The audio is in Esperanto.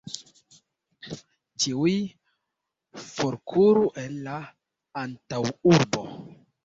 Ĉiuj forkuru el la antaŭurbo!